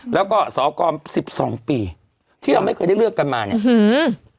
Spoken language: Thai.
แล้วก็สอกรสิบสองปีที่เราไม่เคยได้เลือกกันมาเนี้ยอืม